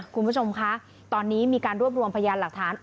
คุณผู้ชมคะตอนนี้มีการรวบรวมพยานหลักฐาน